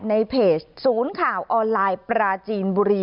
อัลไลน์ปราจีนบุรี